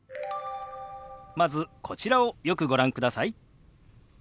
まずこちらをよくご覧ください。